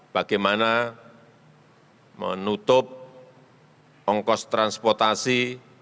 bagaimana menutup ongkos transportasi